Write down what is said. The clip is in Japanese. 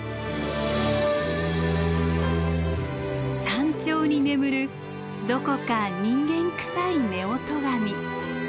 山頂に眠るどこか人間くさい夫婦神。